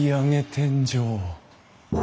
天井。